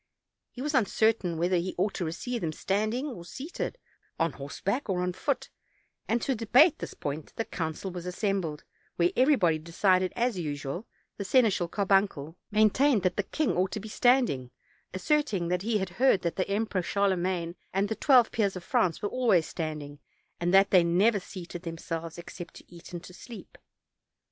He was uncertain 272 OLD, OLD FAIRY TALES. whether he ought to receive them standing or seated, on horseback or on foot, and to debate this point the council was assembled, where everybody decided as usual; the seneschal, Carbuncle, maintained that the king ought to be standing, asserting that he had heard that the Em peror Charlemagne and the twelve peers of France were always standing, and that they never seated themselves except to eat and to sleep.